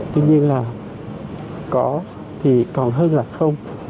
tuy nhiên là có thì còn hơn là không